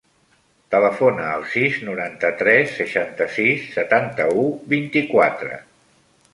Telefona al sis, noranta-tres, seixanta-sis, setanta-u, vint-i-quatre.